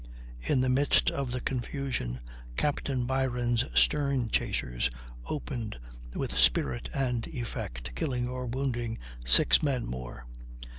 In the midst of the confusion Captain Byron's stern chasers opened with spirit and effect, killing or wounding six men more.